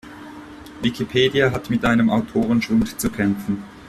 Wikipedia hat mit einem Autorenschwund zu kämpfen.